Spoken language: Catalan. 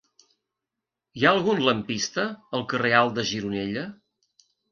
Hi ha algun lampista al carrer Alt de Gironella?